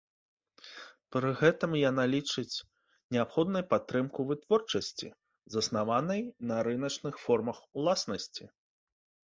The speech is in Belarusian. Пры гэтым яна лічыць неабходнай падтрымку вытворчасці, заснаванай на рыначных формах уласнасці.